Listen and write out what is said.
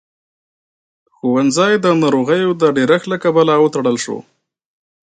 ښوونځی د ناروغيو د ډېرښت له کبله وتړل شو.